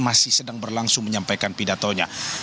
masih sedang berlangsung menyampaikan pidatonya